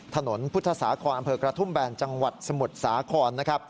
ถนนพุทธศาคอนอำเภอกระทุ่มแบนจังหวัดสมุทรสาครนะครับ